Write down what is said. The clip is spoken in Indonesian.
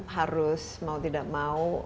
harus mau tidak mau